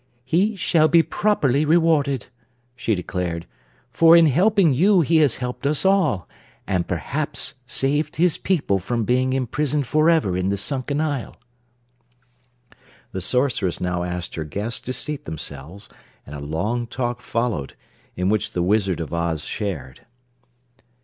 "He shall be properly rewarded," she declared, "for in helping you he has helped us all, and perhaps saved his people from being imprisoned forever in the sunken isle." The Sorceress now asked her guests to seat themselves and a long talk followed, in which the Wizard of Oz shared.